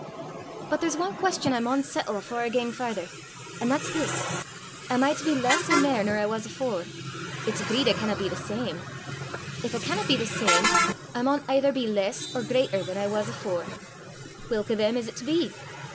"But there's ae queston I maun sattle afore I gang farther an' that's this: am I to be less or mair nor I was afore? It's agreed I canna be the same: if I canna be the same, I maun aither be less or greater than I was afore: whilk o' them is 't to be?